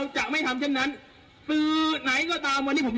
จริงค่ะ